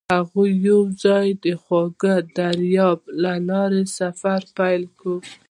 هغوی یوځای د خوږ دریاب له لارې سفر پیل کړ.